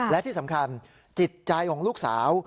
และที่สำคัญจิตใจของลูกสาว